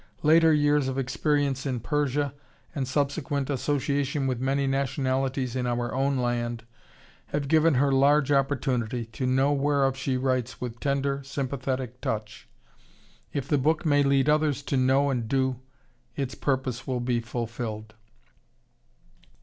Later years of experience in Persia, and subsequent association with many nationalities in our own land, have given her large opportunity to know whereof she writes with tender, sympathetic touch. If the book may lead others to know and do, its purpose will be fulfilled.